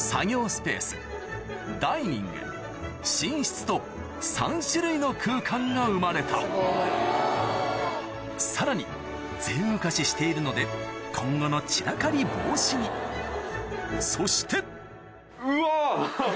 スペースダイニング寝室と３種類の空間が生まれたさらに全浮かししているので今後の散らかり防止にそしてうわ！